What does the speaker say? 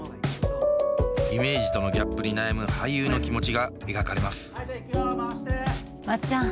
イメージとのギャップに悩む俳優の気持ちが描かれますまっちゃん。